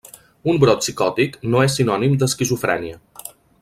Un brot psicòtic no és sinònim d'esquizofrènia.